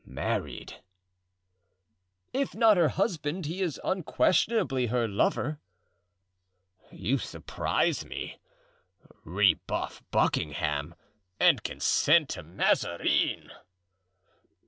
"Married?" "If not her husband, he is unquestionably her lover." "You surprise me. Rebuff Buckingham and consent to Mazarin!"